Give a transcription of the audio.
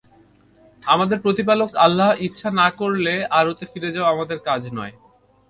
আমাদের প্রতিপালক আল্লাহ ইচ্ছা না করলে আর ওতে ফিরে যাওয়া আমাদের কাজ নয়।